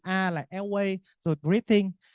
a là airway rồi breathing